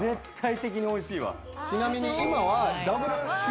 ちなみに今は。